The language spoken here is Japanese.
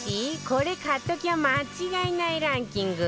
これ買っときゃ間違いないランキング